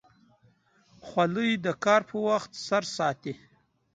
خولۍ د کار پر وخت سر ساتي.